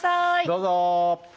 どうぞ。